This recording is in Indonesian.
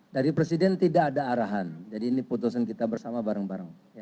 dari presiden tidak ada arahan jadi ini putusan kita bersama bareng bareng